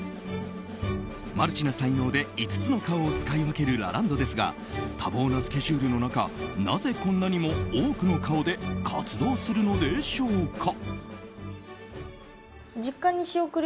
マルチな才能で、５つの顔を使い分けるラランドですが多忙なスケジュールの中なぜこんなにも多くの顔で活動するのでしょうか。